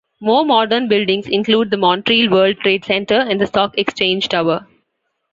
More modern buildings include the Montreal World Trade Centre and the Stock Exchange Tower.